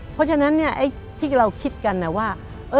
เพราะฉะนั้นที่เราคิดกันนะว่า